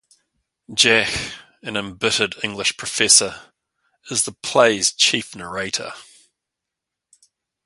Jack, an embittered English professor, is the play's chief narrator.